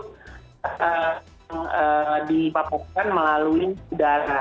tapi harus dipapukan melalui udara